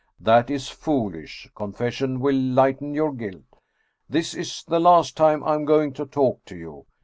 That is foolish. Confession will lighten your guilt. This is the last time I am going to talk to you.